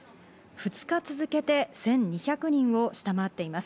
２日続けて１２００人を下回っています。